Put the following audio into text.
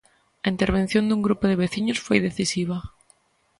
A intervención dun grupo de veciños foi decisiva.